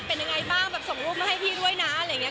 เป็นยังไงบ้างแบบส่งรูปมาให้พี่ด้วยนะอะไรอย่างนี้